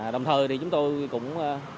đồng thời thì chúng tôi cũng